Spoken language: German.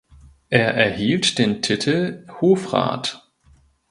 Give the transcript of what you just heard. Er erhielt den Titel Hofrat.